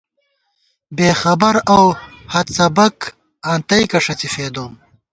بېخبر اؤ ہڅبَک آں، تئیکہ ݭڅی فېدِبوم